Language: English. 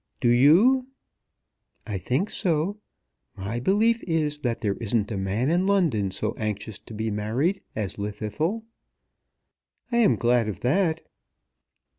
"Do you?" "I think so. My belief is that there isn't a man in London so anxious to be married as Llwddythlw." "I am glad of that."